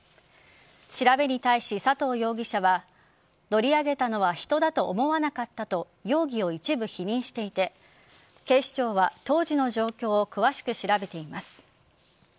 調べに対し、佐藤容疑者は乗り上げたのは人だと思わなかったと容疑を一部否認していて警視庁は当時の状況を詳しく調べています。